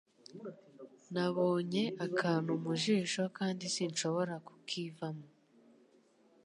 Nabonye akantu mu jisho kandi sinshobora kukivamo.